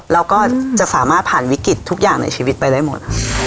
เราก็จะสามารถผ่านวิกฤตทุกอย่างในชีวิตไปได้หมด